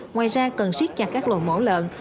ngoài ra cần riết chặt các lộ mẫu lợn